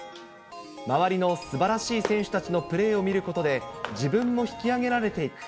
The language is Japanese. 周りのすばらしい選手たちのプレーを見ることで、自分も引き上げられていく。